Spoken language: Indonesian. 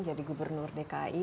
jadi gubernur dki